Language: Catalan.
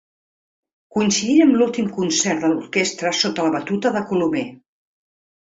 Coincidint amb l'últim concert de l'orquestra sota la batuta de Colomer.